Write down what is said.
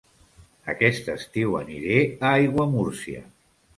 Aquest estiu aniré a Aiguamúrcia